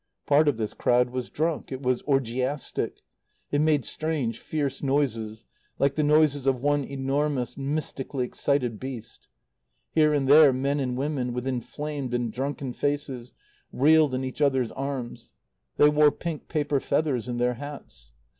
Part of this crowd was drunk; it was orgiastic; it made strange, fierce noises, like the noises of one enormous, mystically excited beast; here and there, men and women, with inflamed and drunken faces, reeled in each other's arms; they wore pink paper feathers in their hats.